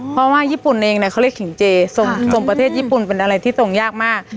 เพราะว่าญี่ปุ่นเองเขาเรียกขิงเจส่งประเทศญี่ปุ่นเป็นอะไรที่ทรงยากมาก